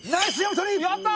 やった！